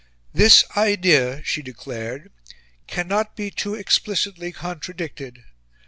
"This idea," she declared, "cannot be too explicitly contradicted.